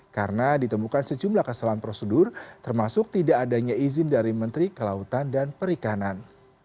karena ditemukan sejumlah kesalahan prosedur termasuk tidak adanya izin dari menteri kelautan dan perikanan